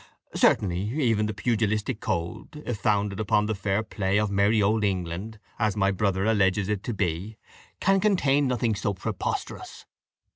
Certainly even the pugilistic code, if founded upon the fair play of Merry Old England, as my brother alleges it to be, can contain nothing so preposterous.